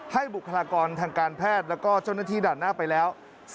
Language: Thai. บุคลากรทางการแพทย์แล้วก็เจ้าหน้าที่ด่านหน้าไปแล้ว